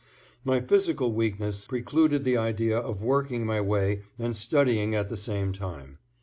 My physical weakness precluded the idea of working my way and studying at the same time.